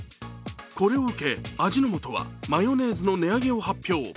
これを受け、味の素はマヨネーズの値上げを発表。